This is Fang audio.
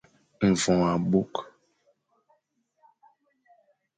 Mvoñ abokh.